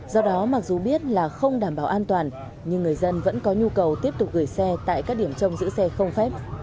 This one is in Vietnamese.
do đó mặc dù biết là không đảm bảo an toàn nhưng người dân vẫn có nhu cầu tiếp tục gửi xe tại các điểm trông giữ xe không phép